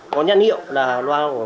có nhãn hiệu là loa